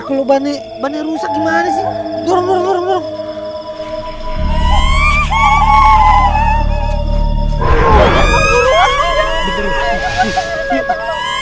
sampai jumpa di video selanjutnya